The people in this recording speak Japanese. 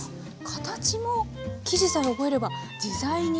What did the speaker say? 形も生地さえ覚えれば自在に。